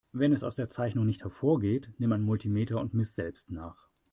Wenn es aus der Zeichnung nicht hervorgeht, nimm ein Multimeter und miss selbst nach.